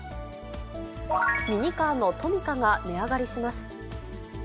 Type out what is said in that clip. ミニカーのトミカが値上がりします。